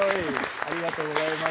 ありがとうございます。